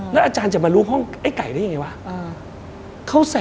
แล้วอาจารย์จะมารูปห้องไก่ได้ยังไงขอ